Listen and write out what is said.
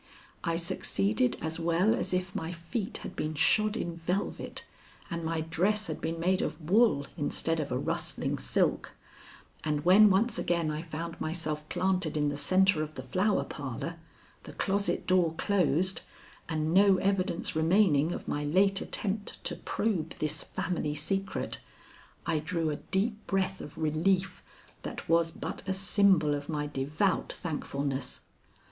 I succeeded as well as if my feet had been shod in velvet and my dress had been made of wool instead of a rustling silk, and when once again I found myself planted in the centre of the Flower Parlor, the closet door closed, and no evidence remaining of my late attempt to probe this family secret, I drew a deep breath of relief that was but a symbol of my devout thankfulness.